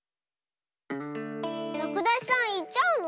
らくだしさんいっちゃうの？